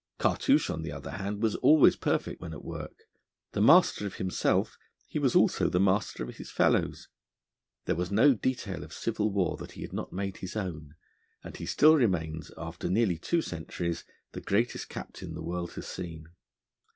Cartouche, on the other hand, was always perfect when at work. The master of himself, he was also the master of his fellows. There was no detail of civil war that he had not made his own, and he still remains, after nearly two centuries, the greatest captain the world has seen.